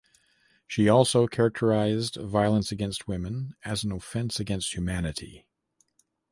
She also characterised violence against women as an offence against humanity.